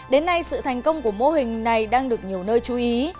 đến nay sự thành công của mô hình này đang được nhiều nơi chú ý